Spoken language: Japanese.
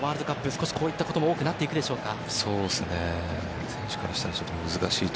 少し、こういったことも多くなっていくでしょうか？